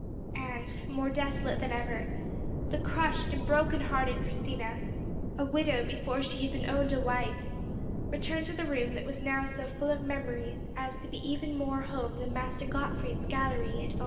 And, more desolate than ever, the crushed and broken hearted Christina, a widow before she had been owned a wife, returned to the room that was now so full of memories as to be even more home than Master Gottfried's gallery at Ulm.